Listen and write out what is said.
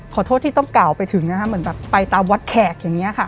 ขอโทษที่ต้องกล่าวไปถึงนะคะเหมือนแบบไปตามวัดแขกอย่างนี้ค่ะ